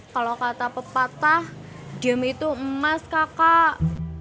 kalau kata pepatah diam itu emas kakak